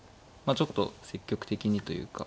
あちょっと積極的にというか。